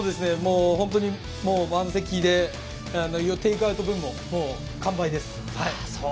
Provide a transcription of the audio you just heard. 本当に満席でテイクアウト分も完売です。